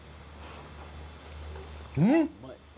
うん？